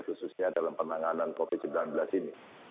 khususnya dalam penanganan covid sembilan belas ini